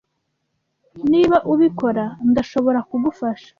Niba ubikora, ndashobora kugufasha.